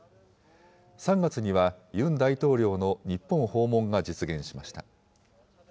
３月には、ユン大統領の日本訪問が実現しました。